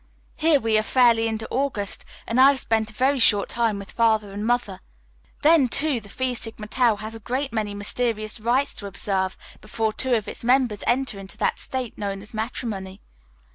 Here we are fairly into August and I have spent a very short time with Father and Mother. Then, too, the Phi Sigma Tau has a great many mysterious rites to observe before two of its members enter into that state known as matrimony.